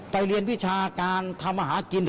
ไปเรียนวิชาการทำอาหารกินเถอะ